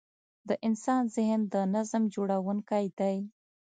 د انسان ذهن د نظم جوړوونکی دی.